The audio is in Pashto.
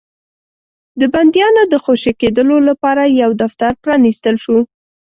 د بنديانو د خوشي کېدلو لپاره يو دفتر پرانيستل شو.